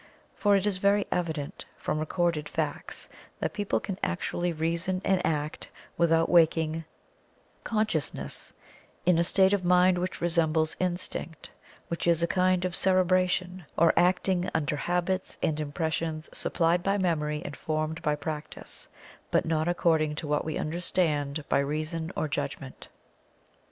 For it is very evident from recorded facts, that people can actually reason and act without waking consciousness, in a state of mind which resembles instinct, which is a kind of cerebration, or acting under habits and impressions supplied by memory and formed by practice, but not according to what we understand by Reason or Judgment.